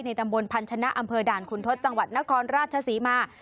ตำบลพันธนะอำเภอด่านคุณทศจังหวัดนครราชศรีมา